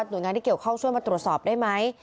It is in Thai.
โดยงานที่เกี่ยวข้องช่วยมาตรวจสอบได้ไหม